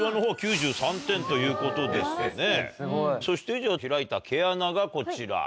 そして開いた毛穴がこちら。